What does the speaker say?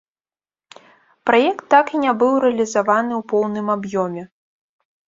Праект так і не быў рэалізаваны ў поўным аб'ёме.